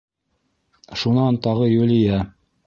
Шунан тағы Юлия: